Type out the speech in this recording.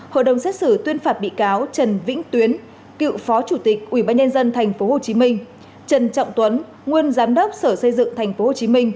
hội đồng xét xử tuyên phạt bị cáo trần vĩnh tuyến cựu phó chủ tịch ubnd tp hcm trần trọng tuấn nguyên giám đốc sở xây dựng tp hcm